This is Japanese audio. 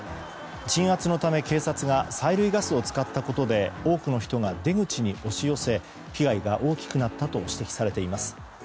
鎮圧のため警察が催涙ガスを使ったことで多くの人が出口に押し寄せ被害が大きくなったと指摘されています。